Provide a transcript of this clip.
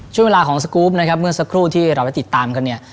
ช่วงเวลาของสกรูปเมื่อสักครู่ที่เราไปติดตามเขา